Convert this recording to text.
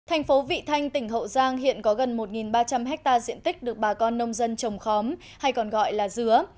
thành phố vị thanh tỉnh hậu giang hiện có gần một ba trăm linh hectare diện tích được bà con nông dân trồng khóm hay còn gọi là dứa